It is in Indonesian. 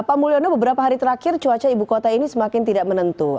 pak mulyono beberapa hari terakhir cuaca ibu kota ini semakin tidak menentu